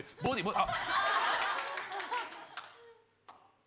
あっ。